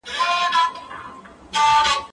که وخت وي، اوبه پاکوم؟!